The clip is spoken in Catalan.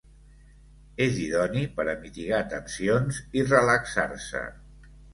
És idoni per a mitigar tensions i relaxar-se.